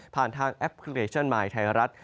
ผ่านทางแอปคลิเคชันไมค์ไทยรัฐ